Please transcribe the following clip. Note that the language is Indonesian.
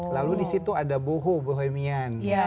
lalu di situ ada boho bohemian